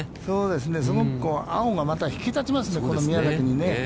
すごく青がまた引き立ちますね、この宮崎に。